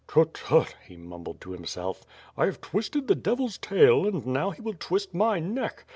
"Tut, tut!" he mumbled to himself, "I have twisted the devil's tail and now he will twist my neck.